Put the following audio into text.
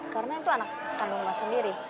karena itu anak kandung mas sendiri